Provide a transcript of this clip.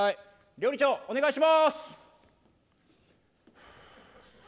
料理長お願いします。